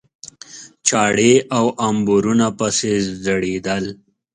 چاړې او امبورونه پسې ځړېدل.